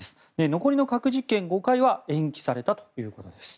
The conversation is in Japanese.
残りの核実験５回は延期されたということです。